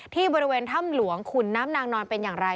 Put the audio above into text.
ที่บริเวณถ้ำหลวงขุนน้ำนางนอนเป็นอย่างไร